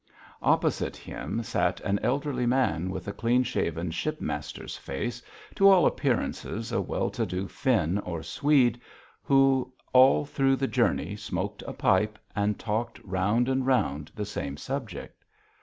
Opposite him sat an elderly man with a clean shaven, shipmaster's face, to all appearances a well to do Finn or Swede, who all through the journey smoked a pipe and talked round and round the same subject.